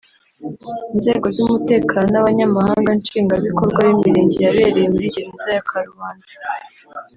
Inzego z’umutekano n’Abanyamabanga Nshingwabikorwa b’Imirenge yabereye muri Gereza ya Karubanda